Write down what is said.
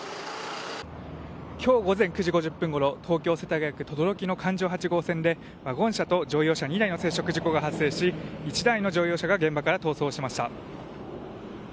今日午前９時５０分ごろ東京・世田谷区等々力の環状８号線で、ワゴン車と乗用車２台の接触事故が発生し１台の乗用車が現場から逃走しました。